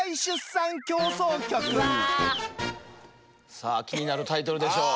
さあ気になるタイトルでしょう。